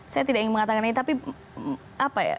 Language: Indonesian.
saya tidak ingin mengatakan ini tapi apa ya